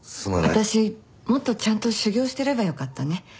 私もっとちゃんと修行してればよかったね。